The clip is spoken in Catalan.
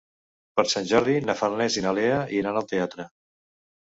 Per Sant Jordi na Farners i na Lea iran al teatre.